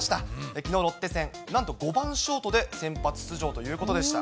きのうのロッテ戦、なんと５番ショートで先発出場ということでした。